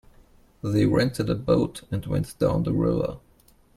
They rented a boat and went down the river.